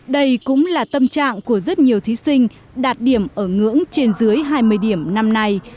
đây cũng là tâm trạng của rất nhiều thí sinh đạt điểm ở ngưỡng trên dưới hai mươi điểm năm nay